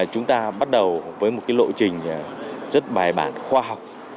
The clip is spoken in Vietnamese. chúng ta bắt đầu với một lộ trình rất bài bản khoa học